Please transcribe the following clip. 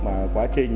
mà quá trình